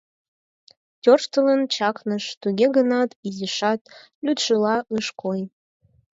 Тӧрштылын чакныш, туге гынат, изишат лӱдшыла ыш кой.